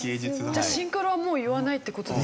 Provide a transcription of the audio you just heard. じゃあシンクロはもう言わないって事ですか？